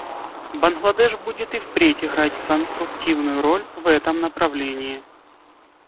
Бангладеш будет и впредь играть конструктивную роль в этом направлении.